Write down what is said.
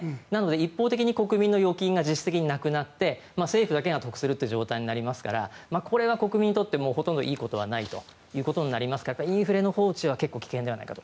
一方的に国民の預金が自主的になくなって政府だけが得する状態になりますからこれは国民にとってほとんどいいことはないとなりますから、インフレの放置は結構危険ではないかと。